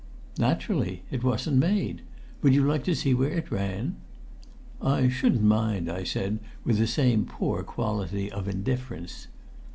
"Naturally; it wasn't made. Would you like to see where it ran?" "I shouldn't mind," I said with the same poor quality of indifference.